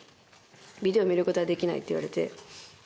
ビデオ見ることはできないって言われて。